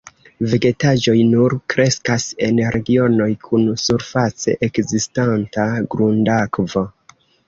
Vegetaĵoj nur kreskas en regionoj kun surface ekzistanta grundakvo.